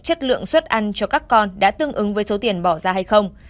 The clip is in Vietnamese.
chất lượng suất ăn cho các con đã tương ứng với số tiền bỏ ra hay không